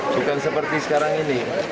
bukan seperti sekarang ini